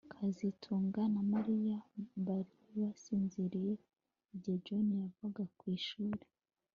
kazitunga na Mariya bari basinziriye igihe John yavaga ku ishuri